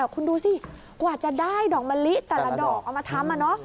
คุณดูสิกว่าจะได้ดอกมะลิแต่ละดอกเอามาทำ